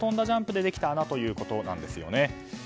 ジャンプでできた穴ということなんですよね。